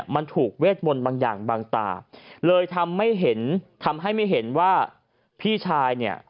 มันถูกเวทมนต์บางอย่างบางตาเลยทำให้ไม่เห็นว่าพี่ชาย